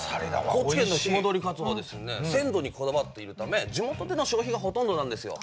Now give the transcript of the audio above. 高知県の日戻りかつおは鮮度にこだわっているため地元での消費がほとんどなんですよ。